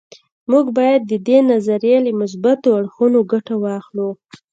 موږ باید د دې نظریې له مثبتو اړخونو ګټه واخلو